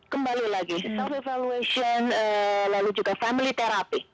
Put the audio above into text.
kembali lagi self evaluation lalu juga family therapy